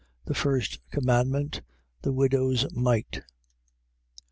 The first commandment. The widow's mite. 12:1.